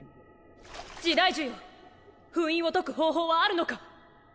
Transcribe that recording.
時代樹よ封印を解く方法はあるのか？